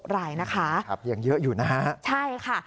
รายนะคะยังเยอะอยู่นะฮะใช่ค่ะ